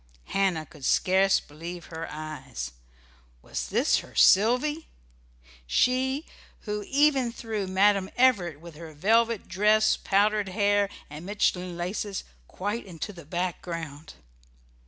Hannah could scarce believe her eyes. Was this her Sylvy? she who even threw Madam Everett, with her velvet dress, powdered hair, and Mechlin laces, quite into the background!